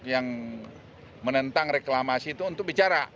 yang menentang reklamasi itu untuk bicara